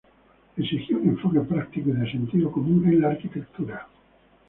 Exigía un enfoque práctico y de sentido común en la arquitectura.